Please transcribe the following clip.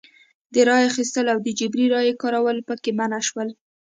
د رایو اخیستل او د جبري رایې کارول پکې منع شول.